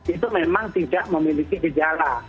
itu memang tidak memiliki gejala